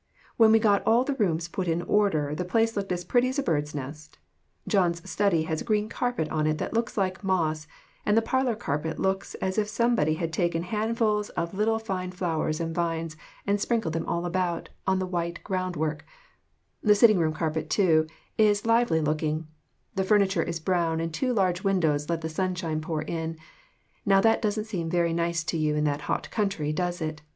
When we got all the rooms put in order the place looked as pretty as a bird's nest. John's study has a green carpet on it that looks like moss, and the parlor carpet looks as if somebody had taken handfuls of little fine flowers and vines, and sprinkled them all about on the white ground AUNT HANNAH S LETTER TO HER SISTER. / work. The sitting room carpet, too, is lively looking, the furniture is brown, and two large windows let the sunshine pour in now that doesn't seem very nice to you in that hot country, does it